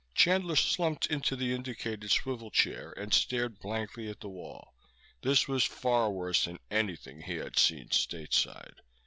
Chandler slumped into the indicated swivel chair and stared blankly at the wall. This was far worse than anything he had seen stateside.